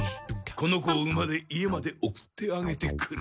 この子を馬で家まで送ってあげてくれ。